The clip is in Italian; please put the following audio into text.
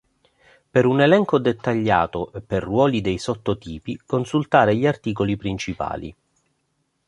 Per un elenco dettagliato e per ruoli dei sottotipi, consultare gli articoli principali.